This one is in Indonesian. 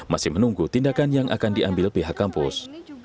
masih menunggu tindakan yang akan diambil pihak kampus